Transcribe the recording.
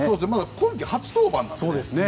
今季初登板なんですよね。